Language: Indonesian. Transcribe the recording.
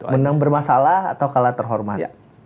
menang bermasalah atau kalah terhormat